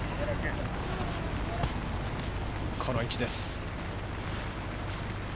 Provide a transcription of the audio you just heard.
この位置です。